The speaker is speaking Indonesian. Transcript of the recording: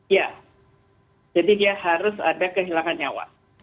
ya jadi dia harus ada kehilangan nyawa